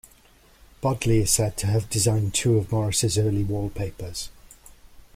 Bodley is said to have designed two of Morris's early wallpapers.